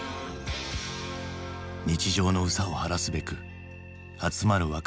日常の憂さを晴らすべく集まる若者たち。